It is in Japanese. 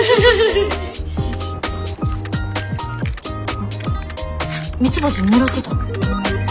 あっミツバチ狙ってた？